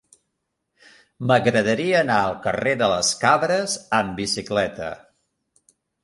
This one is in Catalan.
M'agradaria anar al carrer de les Cabres amb bicicleta.